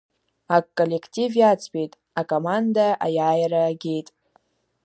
Аколлектив иаӡбеит, акоманда аиааира агеит…